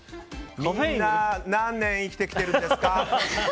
みんな何年生きてきてるんですか？